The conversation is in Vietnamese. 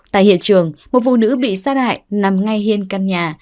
tại hiện trường một phụ nữ bị sát hại nằm ngay hiên căn nhà